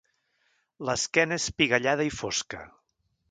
L'esquena és piguellada i fosca.